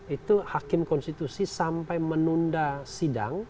itu hakim konstitusi sampai menunda sidang